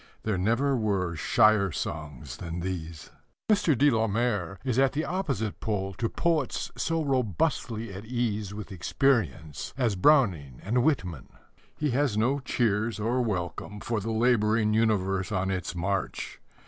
There never were shyer songs than these. Mr. de la Mare is at the opposite pole to poets so robustly at ease with experience as Browning and Whitman. He has no cheers or welcome for the labouring universe on its march.